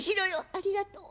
「ありがとう。